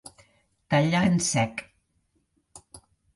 Tallar en sec.